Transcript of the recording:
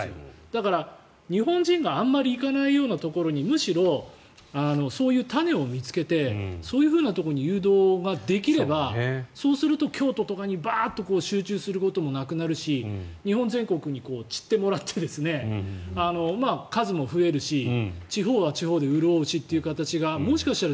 だから、日本人があまり行かないようなところにむしろ、そういう種を見つけてそういうところに誘導ができればそうすると京都とかにバーッと集中することもなくなるし日本全国に散ってもらって数も増えるし地方は地方で潤うしという形がもしかしたら